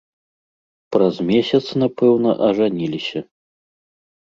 Праз месяц, напэўна, ажаніліся.